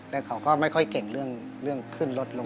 แล้วเขาก็ไม่ค่อยเก่งเรื่องขึ้นรถลง